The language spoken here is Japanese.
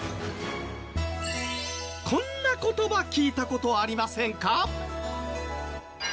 こんな言葉聞いた事ありませんか？